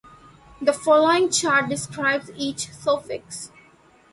The following chart describes each suffix.